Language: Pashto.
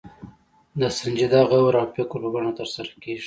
د سنجیده غور او فکر په بڼه ترسره کېږي.